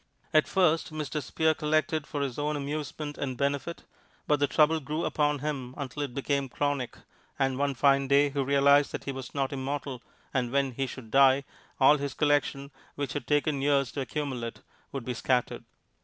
At first, Mr. Spear collected for his own amusement and benefit, but the trouble grew upon him until it became chronic, and one fine day he realized that he was not immortal, and when he should die, all his collection, which had taken years to accumulate, would be scattered.